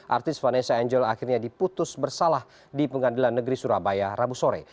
artis vanessa angel akhirnya diputus bersalah di pengadilan negeri surabaya rabu sore